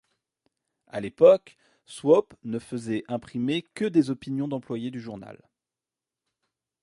À l'époque, Swope ne faisait imprimer que des opinions d'employés du journal.